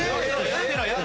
やってないよ。